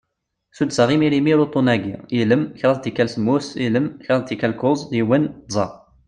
Suddseɣ imir imir uṭṭun-agi: ilem, kraḍ n tikal semmus, ilem, kraḍ n tikal kuẓ, yiwen, tẓa.